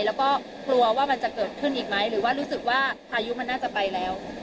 แล้วก็กลัวว่ามันจะเกิดขึ้นอีกไหมหรือว่ารู้สึกว่าพายุมันน่าจะไปแล้ว